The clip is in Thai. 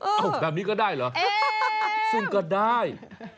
ได้เหรออ่ะตำนี้ก็ได้เหรอซึ่งก็ได้เอ็ม